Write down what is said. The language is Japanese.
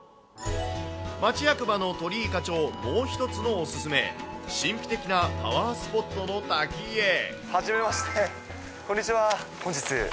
町役場の鳥井課長、もう１つのお勧め、はじめまして、こんにちは。